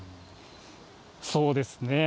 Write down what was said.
そうですね。